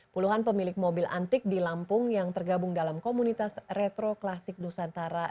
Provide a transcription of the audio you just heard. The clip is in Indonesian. puluhan pemilik mobil antik di lampung yang tergabung dalam komunitas retro klasik nusantara